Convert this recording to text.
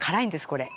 これ。